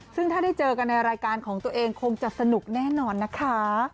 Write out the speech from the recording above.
ซึ่งถ้าได้เจอกันในรายการของตัวเองคงจะสนุกแน่นอนนะคะ